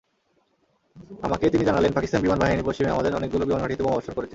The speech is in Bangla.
আমাকে তিনি জানালেন, পাকিস্তান বিমান বাহিনী পশ্চিমে আমাদের অনেকগুলো বিমানঘাঁটিতে বোমাবর্ষণ করেছে।